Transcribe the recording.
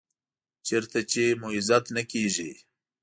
چېرته چې مو عزت نه کېږي .